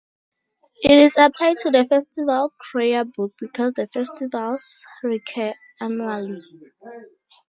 It is applied to the festival prayer book because the festivals recur annually.